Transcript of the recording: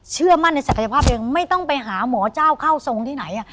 เชื่อมั่นในศักยภาพตัวเองไม่ต้องไปหาหมอเจ้าเข้าทรงที่ไหน